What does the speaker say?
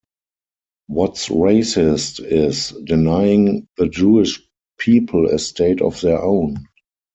What's racist is denying the Jewish people a state of their own.